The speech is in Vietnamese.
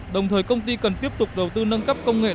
đồng thời công ty cần tiếp tục đầu tư nâng cấp công nghệ đốt rác